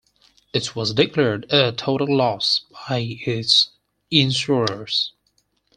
It was declared a total loss by its insurers.